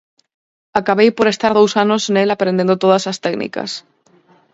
Acabei por estar dous anos nel aprendendo todas as técnicas.